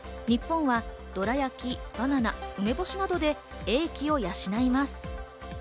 日本はどら焼き、バナナ、梅干しなどで英気を養います。